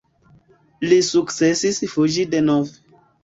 Li sukcesis fuĝi denove.